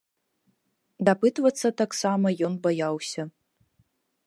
Дапытвацца таксама ён баяўся.